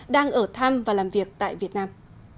đang ở thăm và làm việc tại việt nam